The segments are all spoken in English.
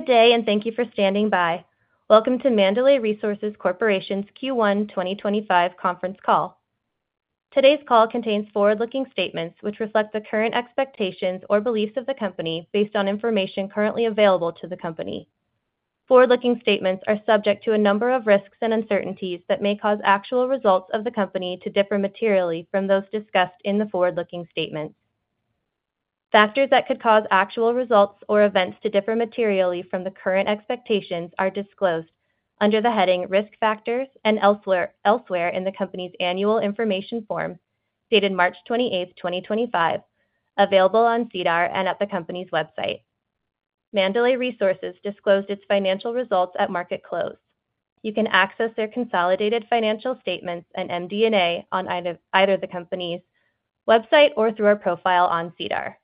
Good day, and thank you for standing by. Welcome to Mandalay Resources Corporation's Q1 2025 conference call. Today's call contains forward-looking statements which reflect the current expectations or beliefs of the company based on information currently available to the company. Forward-looking statements are subject to a number of risks and uncertainties that may cause actual results of the company to differ materially from those discussed in the forward-looking statements. Factors that could cause actual results or events to differ materially from the current expectations are disclosed under the heading "Risk Factors" and elsewhere in the company's annual information form dated March 28, 2025, available on SEDAR and at the company's website. Mandalay Resources disclosed its financial results at market close. You can access their consolidated financial statements and MD&A on either the company's website or through our profile on SEDAR.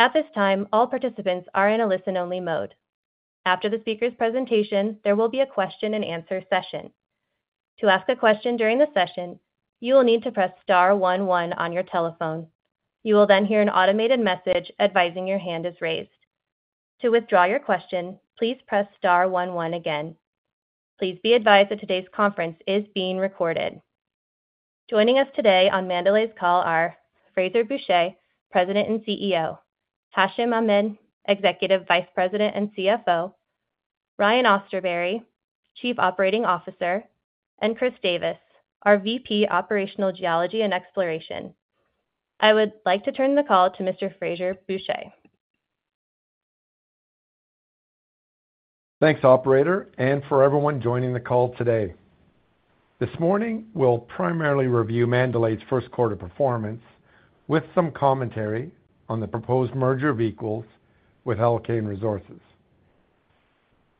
At this time, all participants are in a listen-only mode. After the speaker's presentation, there will be a question-and-answer session. To ask a question during the session, you will need to press star one one on your telephone. You will then hear an automated message advising your hand is raised. To withdraw your question, please press star one one again. Please be advised that today's conference is being recorded. Joining us today on Mandalay's call are Frazer Bourchier, President and CEO, Hashim Ahmed, Executive Vice President and CFO, Ryan Austerberry, Chief Operating Officer, and Chris Davis, our VP Operational Geology and Exploration. I would like to turn the call to Mr. Frazer Bourchier. Thanks, Operator, and for everyone joining the call today. This morning, we'll primarily review Mandalay's first quarter performance with some commentary on the proposed merger of equals with Alkane Resources.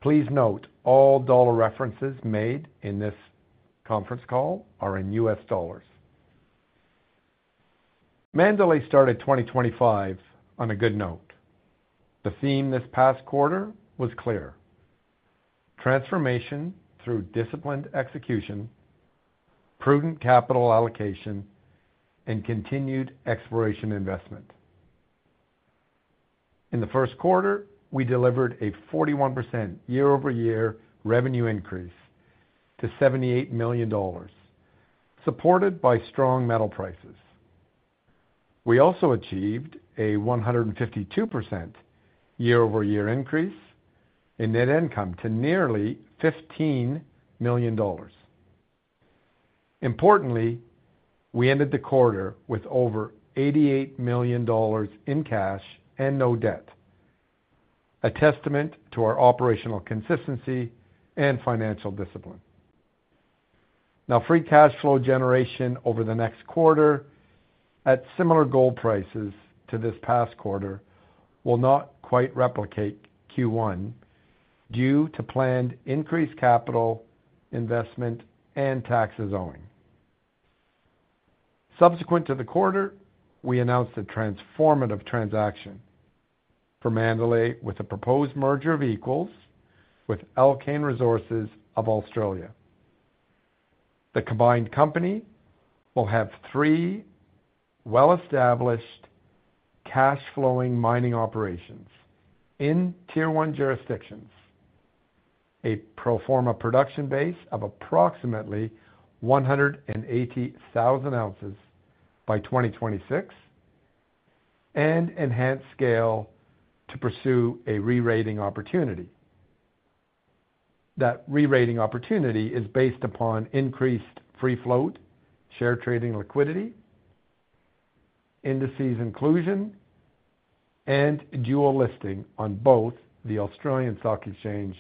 Please note all dollar references made in this conference call are in U.S. dollars. Mandalay started 2025 on a good note. The theme this past quarter was clear: transformation through disciplined execution, prudent capital allocation, and continued exploration investment. In the first quarter, we delivered a 41% year-over-year revenue increase to $78 million, supported by strong metal prices. We also achieved a 152% year-over-year increase in net income to nearly $15 million. Importantly, we ended the quarter with over $88 million in cash and no debt, a testament to our operational consistency and financial discipline. Now, free cash flow generation over the next quarter at similar gold prices to this past quarter will not quite replicate Q1 due to planned increased capital investment and taxes owing. Subsequent to the quarter, we announced a transformative transaction for Mandalay with a proposed merger of equals with Alkane Resources of Australia. The combined company will have three well-established cash-flowing mining operations in Tier 1 jurisdictions, a pro forma production base of approximately 180,000 oz by 2026, and enhanced scale to pursue a re-rating opportunity. That re-rating opportunity is based upon increased free float, share trading liquidity, indices inclusion, and dual listing on both the Australian Securities Exchange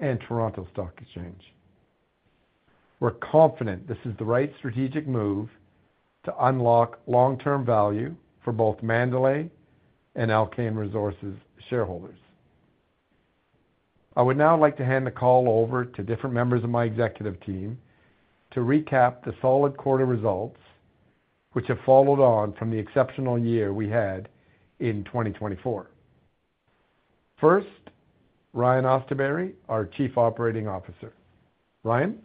and Toronto Stock Exchange. We're confident this is the right strategic move to unlock long-term value for both Mandalay and Alkane Resources shareholders. I would now like to hand the call over to different members of my executive team to recap the solid quarter results which have followed on from the exceptional year we had in 2024. First, Ryan Austerberry, our Chief Operating Officer. Ryan?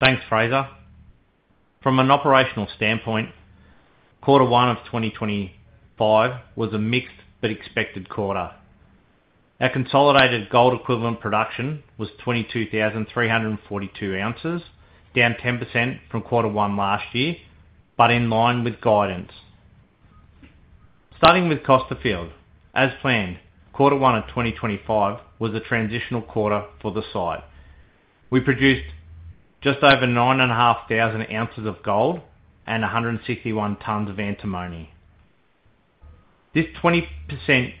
Thanks, Frazer. From an operational standpoint, Q1 of 2025 was a mixed but expected quarter. Our consolidated gold-equivalent production was 22,342 oz, down 10% from Q1 last year, but in line with guidance. Starting with Costerfield, as planned, Q1 of 2025 was a transitional quarter for the site. We produced just over 9,500 oz of gold and 161 tons of antimony. This 20%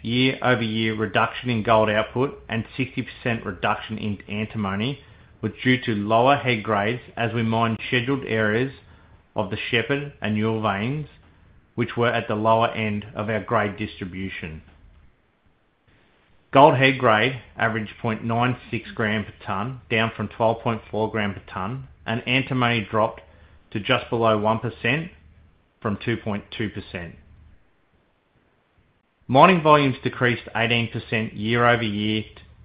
year-over-year reduction in gold output and 60% reduction in antimony was due to lower head grades as we mined scheduled areas of the Shepherd and Newell veins, which were at the lower end of our grade distribution. Gold head grade averaged 9.6 g per ton, down from 12.4 g per ton, and antimony dropped to just below 1% from 2.2%. Mining volumes decreased 18% year-over-year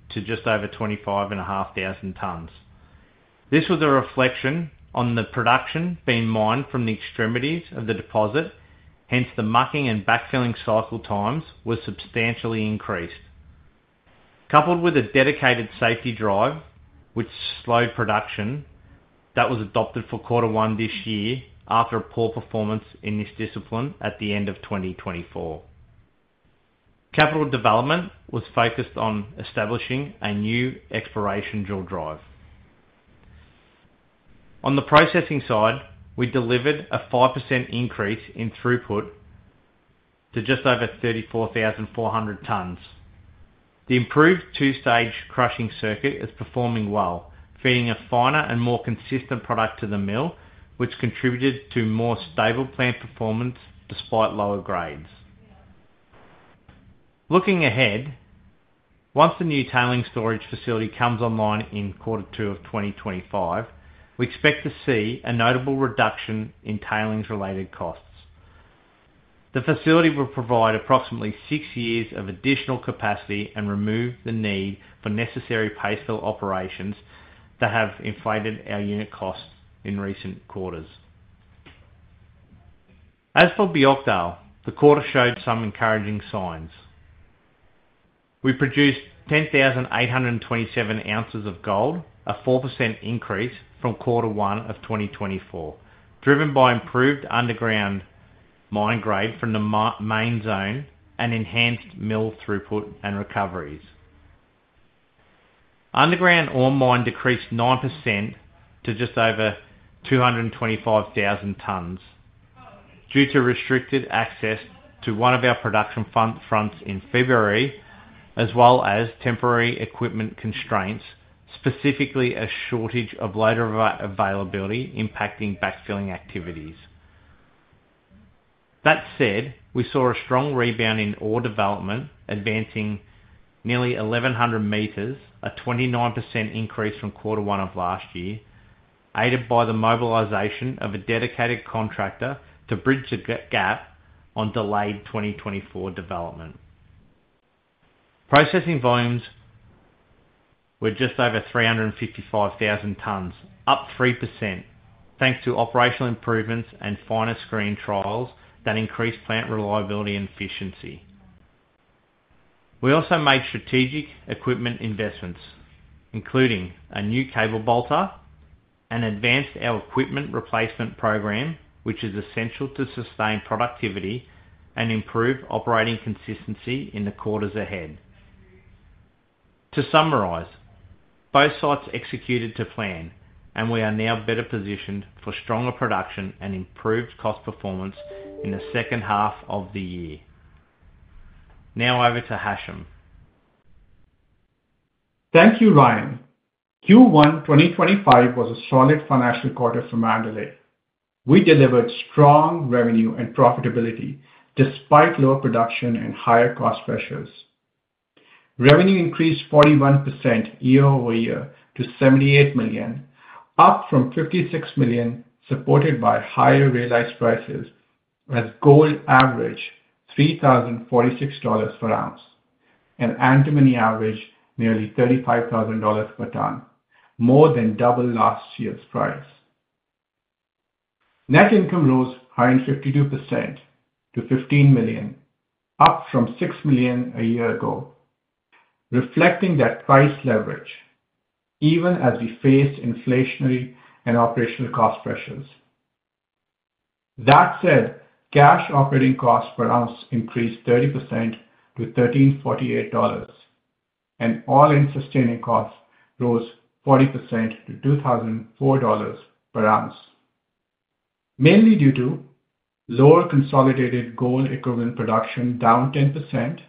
to just over 25,500 tons. This was a reflection on the production being mined from the extremities of the deposit; hence, the mucking and backfilling cycle times were substantially increased. Coupled with a dedicated safety drive which slowed production, that was adopted for Q1 this year after a poor performance in this discipline at the end of 2024. Capital development was focused on establishing a new exploration drill drive. On the processing side, we delivered a 5% increase in throughput to just over 34,400 tons. The improved two-stage crushing circuit is performing well, feeding a finer and more consistent product to the mill, which contributed to more stable plant performance despite lower grades. Looking ahead, once the new tailings storage facility comes online in Q2 of 2025, we expect to see a notable reduction in tailings-related costs. The facility will provide approximately six years of additional capacity and remove the need for necessary pastefill operations that have inflated our unit costs in recent quarters. As for Björkdal, the quarter showed some encouraging signs. We produced 10,827 oz of gold, a 4% increase from Q1 of 2024, driven by improved underground mine grade from the main zone and enhanced mill throughput and recoveries. Underground ore mined decreased 9% to just over 225,000 tons due to restricted access to one of our production fronts in February, as well as temporary equipment constraints, specifically a shortage of loader availability impacting backfilling activities. That said, we saw a strong rebound in ore development, advancing nearly 1,100 m, a 29% increase from Q1 of last year, aided by the mobilization of a dedicated contractor to bridge the gap on delayed 2024 development. Processing volumes were just over 355,000 tons, up 3%, thanks to operational improvements and finer screen trials that increased plant reliability and efficiency. We also made strategic equipment investments, including a new cable bolter, and advanced our equipment replacement program, which is essential to sustain productivity and improve operating consistency in the quarters ahead. To summarize, both sites executed to plan, and we are now better positioned for stronger production and improved cost performance in the second half of the year. Now over to Hashim. Thank you, Ryan. Q1 2025 was a solid financial quarter for Mandalay. We delivered strong revenue and profitability despite lower production and higher cost pressures. Revenue increased 41% year-over-year to $78 million, up from $56 million, supported by higher realized prices as gold averaged $3,046 per ounce and antimony averaged nearly $35,000 per ton, more than double last year's price. Net income rose 152% to $15 million, up from $6 million a year ago, reflecting that price leverage even as we faced inflationary and operational cost pressures. That said, cash operating costs per ounce increased 30% to $1,348, and all-in sustaining costs rose 40% to $2,004 per ounce, mainly due to lower consolidated gold-equivalent production down 10%,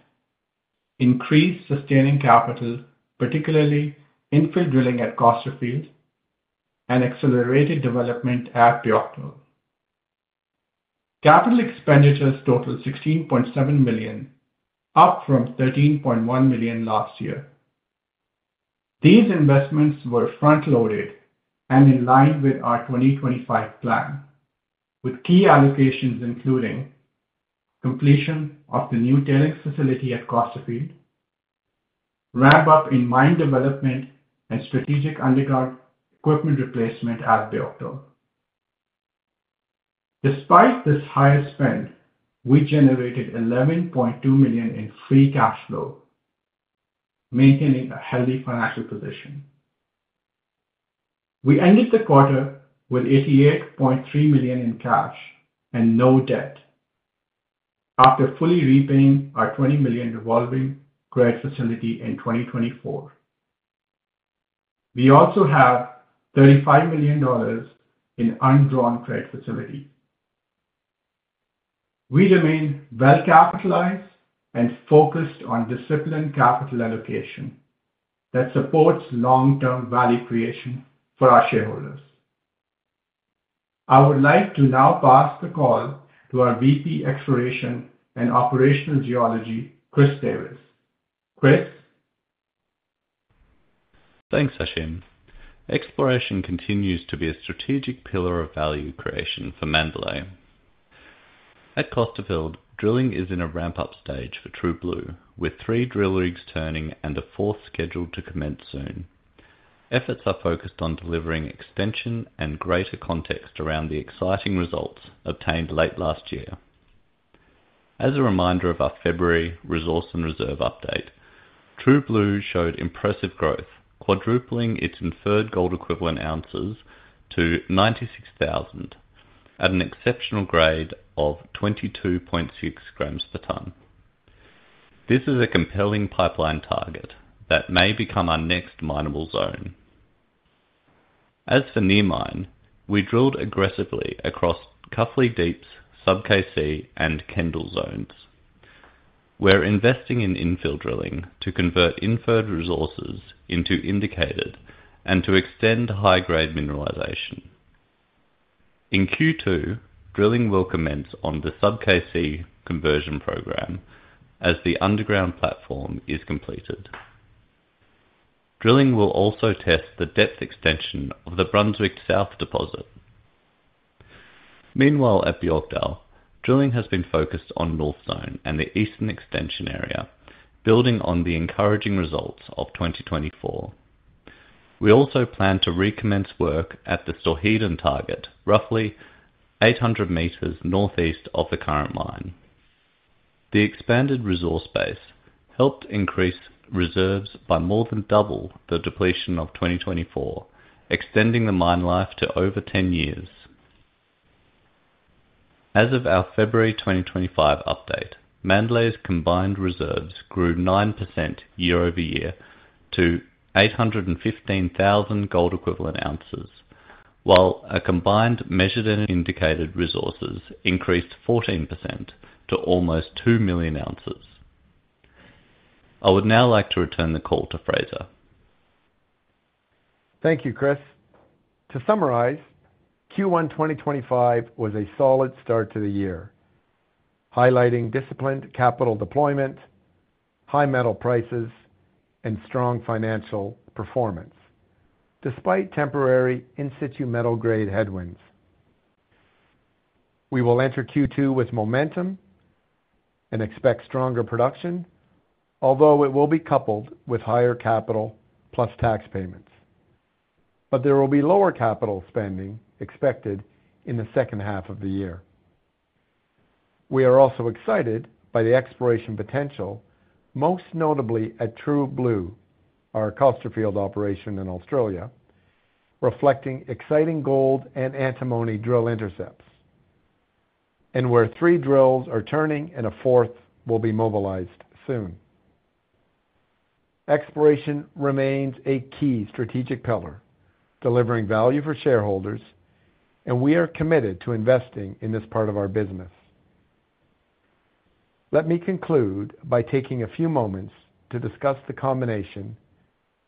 increased sustaining capital, particularly infill drilling at Costerfield, and accelerated development at Björkdal. Capital expenditures totaled $16.7 million, up from $13.1 million last year. These investments were front-loaded and in line with our 2025 plan, with key allocations including completion of the new tailings storage facility at Costerfield, ramp-up in mine development, and strategic underground equipment replacement at Björkdal. Despite this higher spend, we generated $11.2 million in free cash flow, maintaining a healthy financial position. We ended the quarter with $88.3 million in cash and no debt after fully repaying our $20 million revolving credit facility in 2024. We also have $35 million in undrawn credit facility. We remain well-capitalized and focused on disciplined capital allocation that supports long-term value creation for our shareholders. I would like to now pass the call to our VP Exploration and Operational Geology, Chris Davis. Chris? Thanks, Hashim. Exploration continues to be a strategic pillar of value creation for Mandalay. At Costerfield, drilling is in a ramp-up stage for True Blue, with three drill rigs turning and a fourth scheduled to commence soon. Efforts are focused on delivering extension and greater context around the exciting results obtained late last year. As a reminder of our February Resource and Reserve update, True Blue showed impressive growth, quadrupling its inferred gold-equivalent ounces to 96,000 at an exceptional grade of 22.6 g per ton. This is a compelling pipeline target that may become our next minable zone. As for near mine, we drilled aggressively across Cuffley Deeps, Sub-KC, and Kendall zones. We're investing in infill drilling to convert inferred resources into indicated and to extend high-grade mineralization. In Q2, drilling will commence on the Sub-KC conversion program as the underground platform is completed. Drilling will also test the depth extension of the Brunswick South deposit. Meanwhile, at Björkdal, drilling has been focused on North Zone and the eastern extension area, building on the encouraging results of 2024. We also plan to recommence work at the Stohöjden target, roughly 800 meters northeast of the current mine. The expanded resource base helped increase reserves by more than double the depletion of 2024, extending the mine life to over 10 years. As of our February 2025 update, Mandalay's combined reserves grew 9% year-over-year to 815,000 gold-equivalent ounces, while combined measured and indicated resources increased 14% to almost 2 million oz. I would now like to return the call to Frazer. Thank you, Chris. To summarize, Q1 2025 was a solid start to the year, highlighting disciplined capital deployment, high metal prices, and strong financial performance despite temporary in-situ metal grade headwinds. We will enter Q2 with momentum and expect stronger production, although it will be coupled with higher capital plus tax payments. There will be lower capital spending expected in the second half of the year. We are also excited by the exploration potential, most notably at True Blue, our Costerfield operation in Australia, reflecting exciting gold and antimony drill intercepts, and where three drills are turning and a fourth will be mobilized soon. Exploration remains a key strategic pillar, delivering value for shareholders, and we are committed to investing in this part of our business. Let me conclude by taking a few moments to discuss the combination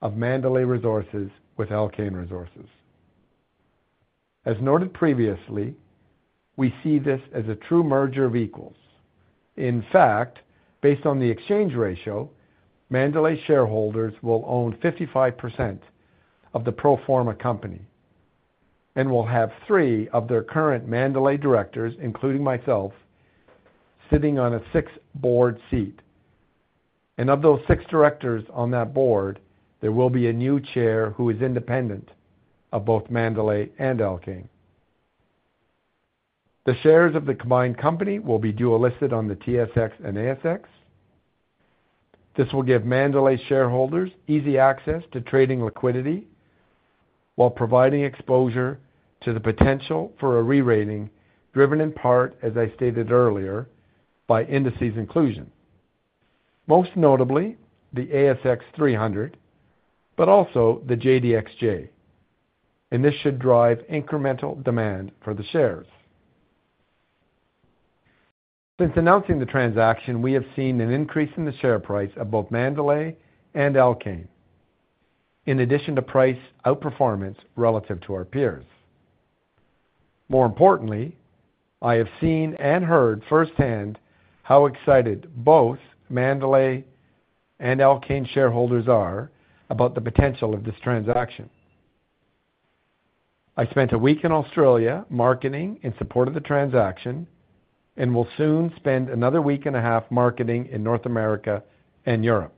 of Mandalay Resources with Alkane Resources. As noted previously, we see this as a true merger of equals. In fact, based on the exchange ratio, Mandalay shareholders will own 55% of the pro forma company and will have three of their current Mandalay directors, including myself, sitting on a six-board seat. Of those six directors on that board, there will be a new chair who is independent of both Mandalay and Alkane. The shares of the combined company will be dual listed on the TSX and ASX. This will give Mandalay shareholders easy access to trading liquidity while providing exposure to the potential for a rerating driven in part, as I stated earlier, by indices inclusion, most notably the ASX 300, but also the GDXJ, and this should drive incremental demand for the shares. Since announcing the transaction, we have seen an increase in the share price of both Mandalay and Alkane, in addition to price outperformance relative to our peers. More importantly, I have seen and heard firsthand how excited both Mandalay and Alkane shareholders are about the potential of this transaction. I spent a week in Australia marketing in support of the transaction and will soon spend another week and a half marketing in North America and Europe.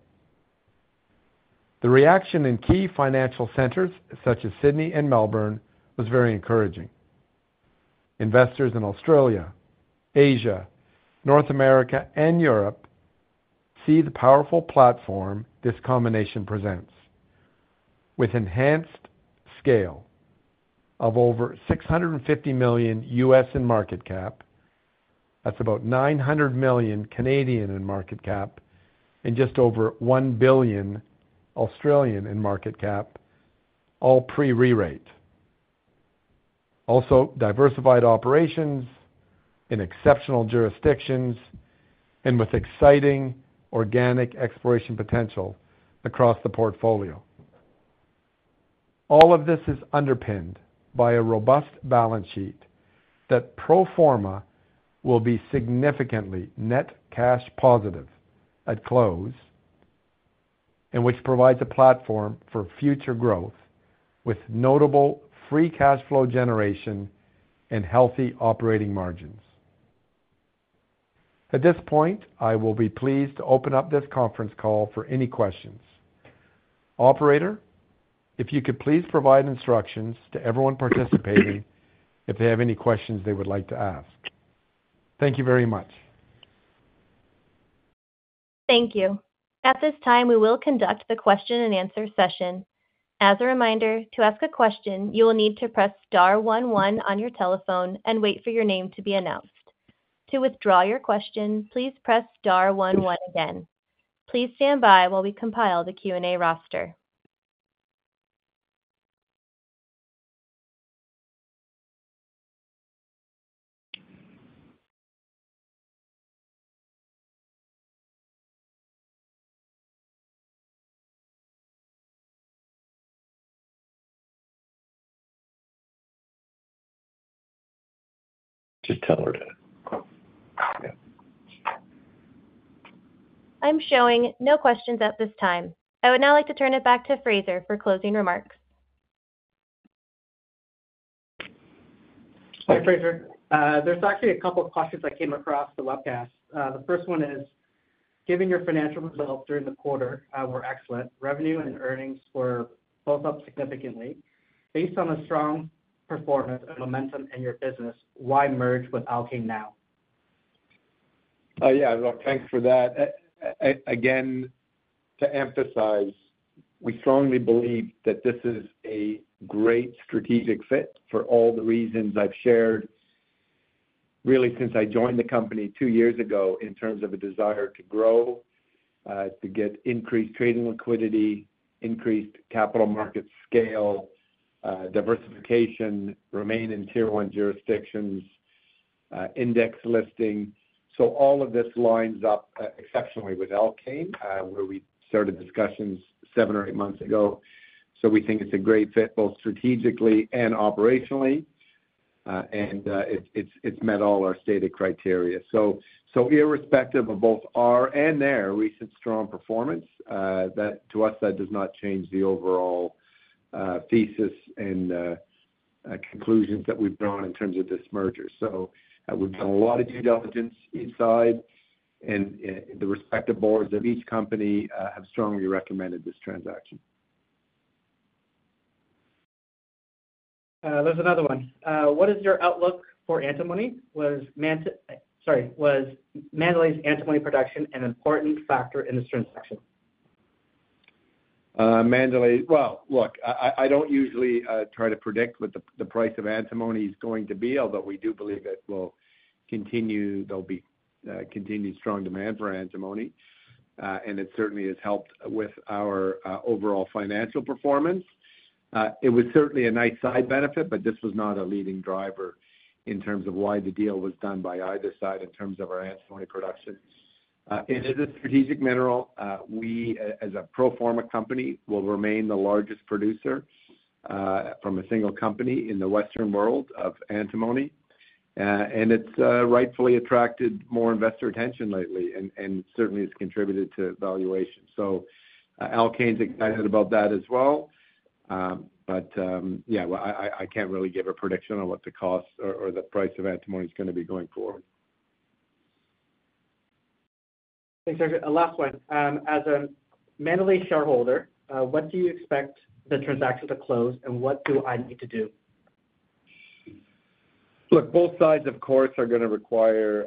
The reaction in key financial centers such as Sydney and Melbourne was very encouraging. Investors in Australia, Asia, North America, and Europe see the powerful platform this combination presents. With enhanced scale of over $650 million in market cap, that's about 900 million in market cap, and just over 1 billion in market cap, all pre-rerate, also diversified operations in exceptional jurisdictions and with exciting organic exploration potential across the portfolio. All of this is underpinned by a robust balance sheet that pro forma will be significantly net cash positive at close and which provides a platform for future growth with notable free cash flow generation and healthy operating margins. At this point, I will be pleased to open up this conference call for any questions. Operator, if you could please provide instructions to everyone participating if they have any questions they would like to ask. Thank you very much. Thank you. At this time, we will conduct the question and answer session. As a reminder, to ask a question, you will need to press star one one on your telephone and wait for your name to be announced. To withdraw your question, please press star one one again. Please stand by while we compile the Q&A roster. I'm showing no questions at this time. I would now like to turn it back to Frazer for closing remarks. Hi, Frazer. There's actually a couple of questions that came across the webcast. The first one is, given your financial results during the quarter were excellent, revenue and earnings were both up significantly. Based on the strong performance and momentum in your business, why merge with Alkane now? Yeah, look, thanks for that. Again, to emphasize, we strongly believe that this is a great strategic fit for all the reasons I've shared, really, since I joined the company two years ago in terms of a desire to grow, to get increased trading liquidity, increased capital market scale, diversification, remain in Tier 1 jurisdictions, index listing. All of this lines up exceptionally with Alkane, where we started discussions seven or eight months ago. We think it's a great fit both strategically and operationally, and it's met all our stated criteria. Irrespective of both our and their recent strong performance, to us, that does not change the overall thesis and conclusions that we've drawn in terms of this merger. We've done a lot of due diligence inside, and the respective boards of each company have strongly recommended this transaction. There's another one. What is your outlook for antimony? Sorry, was Mandalay's antimony production an important factor in this transaction? I don't usually try to predict what the price of antimony is going to be, although we do believe it will continue. There'll be continued strong demand for antimony, and it certainly has helped with our overall financial performance. It was certainly a nice side benefit, but this was not a leading driver in terms of why the deal was done by either side in terms of our antimony production. It is a strategic mineral. We, as a pro forma company, will remain the largest producer from a single company in the Western world of antimony. It has rightfully attracted more investor attention lately, and certainly has contributed to valuation. Alkane's excited about that as well. Yeah, I can't really give a prediction on what the cost or the price of antimony is going to be going forward. Thanks, Andrew. Last one. As a Mandalay shareholder, what do you expect the transaction to close, and what do I need to do? Look, both sides, of course, are going to require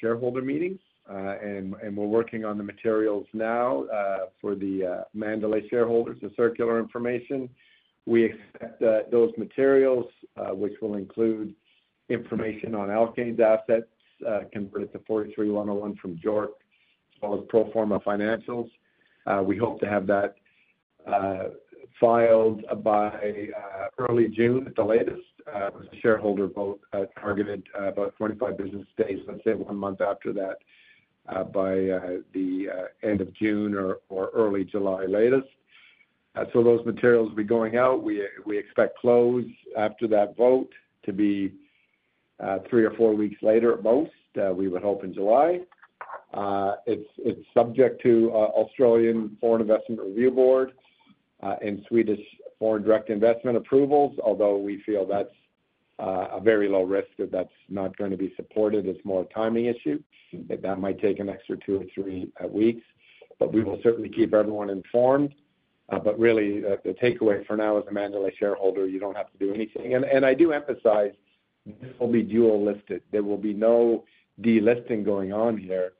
shareholder meetings, and we're working on the materials now for the Mandalay shareholders to circular information. We expect those materials, which will include information on Alkane's assets converted to 43-101 from JORC, as well as pro forma financials. We hope to have that filed by early June, at the latest, with a shareholder vote targeted about 25 business days, let's say one month after that, by the end of June or early July latest. Those materials will be going out. We expect close after that vote to be three or four weeks later at most. We would hope in July. It is subject to Australian Foreign Investment Review Board and Swedish Foreign Direct Investment approvals, although we feel that's a very low risk that that's not going to be supported. It is more a timing issue. That might take an extra two or three weeks, but we will certainly keep everyone informed. Really, the takeaway for now is a Mandalay shareholder, you do not have to do anything. I do emphasize this will be dualistic. There will be no delisting going on here.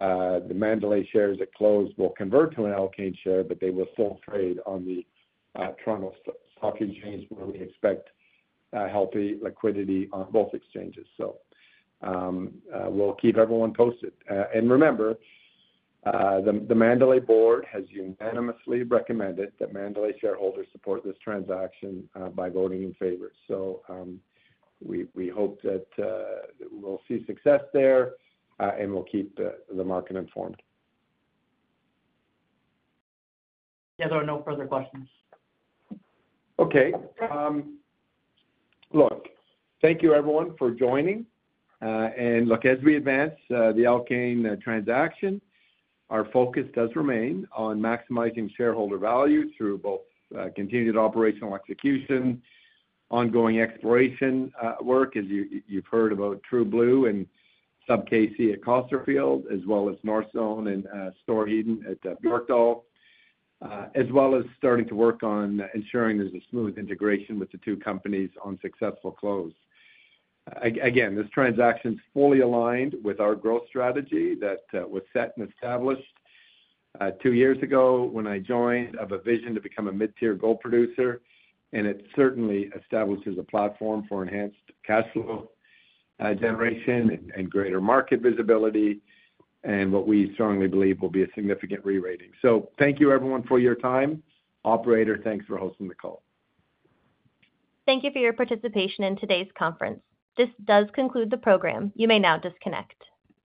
The Mandalay shares at close will convert to an Alkane share, but they will still trade on the Toronto Stock Exchange, where we expect healthy liquidity on both exchanges. We will keep everyone posted. Remember, the Mandalay Board has unanimously recommended that Mandalay shareholders support this transaction by voting in favor. We hope that we will see success there, and we will keep the market informed. Yeah, there are no further questions. Okay. Look, thank you, everyone, for joining. And look, as we advance the Alkane transaction, our focus does remain on maximizing shareholder value through both continued operational execution, ongoing exploration work, as you've heard about True Blue and Sub-KC at Costerfield, as well as North Zone and Stohöjden at Björkdal, as well as starting to work on ensuring there's a smooth integration with the two companies on successful close. Again, this transaction is fully aligned with our growth strategy that was set and established two years ago when I joined, of a vision to become a mid-tier gold producer. It certainly establishes a platform for enhanced cash flow generation and greater market visibility, and what we strongly believe will be a significant rerating. Thank you, everyone, for your time. Operator, thanks for hosting the call. Thank you for your participation in today's conference. This does conclude the program. You may now disconnect.